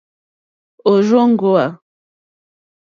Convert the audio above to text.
Òrzòŋwá.